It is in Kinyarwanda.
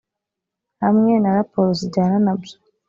hamwe na raporo zijyana nabyo